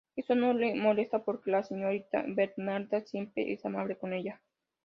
Esto no le molesta porque la señorita Bernarda siempre es amable con ella.